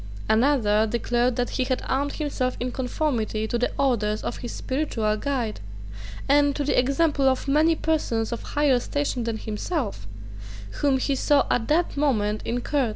Another declared that he had armed himself in conformity to the orders of his spiritual guide, and to the example of many persons of higher station than himself, whom he saw at that moment in Court.